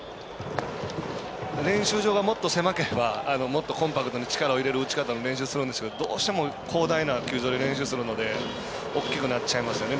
練習場がもっと狭ければもっとコンパクトに力を入れる打ち方の練習をするんですけど、どうしても広大な球場で練習をするので大きくなっちゃいますよね